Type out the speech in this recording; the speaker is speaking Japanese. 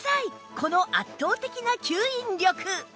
この圧倒的な吸引力